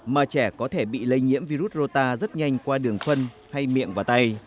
mà trẻ có thể bị lây nhiễm virus rota rất nhanh qua đường phân hay miệng và tay